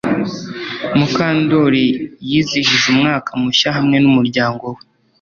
Mukandoli yizihije umwaka mushya hamwe numuryango we